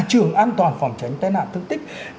trưởng an toàn phòng tránh tai nạn thương tích